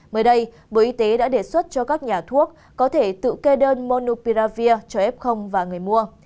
mới đây bộ y tế đã đề xuất cho các nhà thuốc có thể tự kê đơn monupiravir cho f và người mua